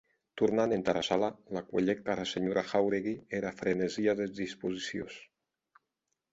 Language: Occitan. Tornant entara sala, la cuelhec ara senhora Jáuregui era frenesia des disposicions.